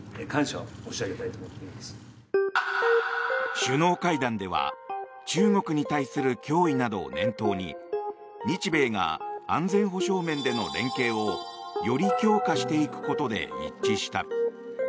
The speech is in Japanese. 首脳会談では中国に対する脅威などを念頭に日米が安全保障面での連携をより強化していくことで一致した。